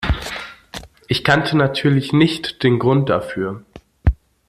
Ich kannte natürlich nicht den Grund dafür.